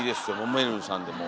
めるるさんでもう。